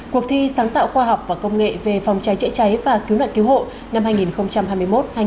cuộc thi sáng tạo khoa học và công nghệ về phòng cháy chữa cháy và cứu nạn cứu hộ năm hai nghìn hai mươi một hai nghìn hai mươi bốn